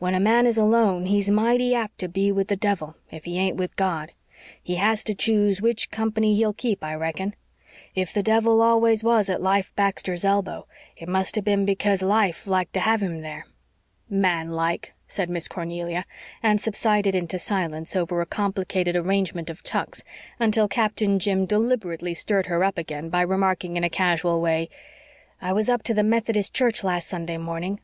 When a man is alone he's mighty apt to be with the devil if he ain't with God. He has to choose which company he'll keep, I reckon. If the devil always was at Life Baxter's elbow it must have been because Life liked to have him there." "Man like," said Miss Cornelia, and subsided into silence over a complicated arrangement of tucks until Captain Jim deliberately stirred her up again by remarking in a casual way: "I was up to the Methodist church last Sunday morning."